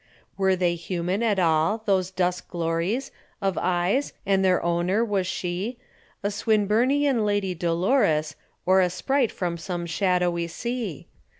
Were they human at all, these dusk glories Of eyes? And their owner, was she A Swinburnian Lady Dolores, Or a sprite from some shadowy sea?